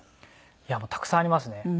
いやたくさんありますね。